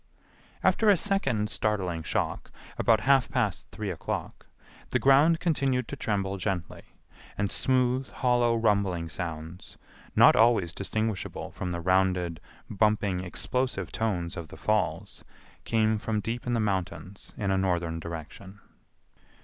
After a second startling shock, about half past three o'clock, the ground continued to tremble gently, and smooth, hollow rumbling sounds, not always distinguishable from the rounded, bumping, explosive tones of the falls, came from deep in the mountains in a northern direction.